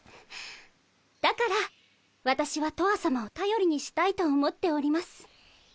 だから私はとわさまを頼りにしたいと思っております。